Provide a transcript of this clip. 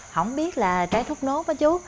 không biết là trái thốt nốt đó chú